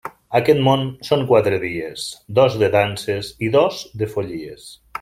Aquest món són quatre dies: dos de danses i dos de follies.